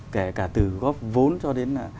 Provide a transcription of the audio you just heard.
kể cả từ góp vốn cho đến là